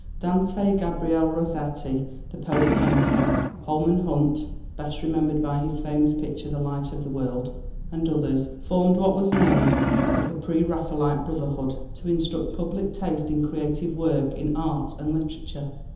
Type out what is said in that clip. Dante Gabriel Rossetti, the poet painter, Holman Hunt (best remembered by his famous picture "The Light of the World ") and others, formed what was known as the Pre Raphaelite Brotherhood, to instruct public taste in creative work in art and literature.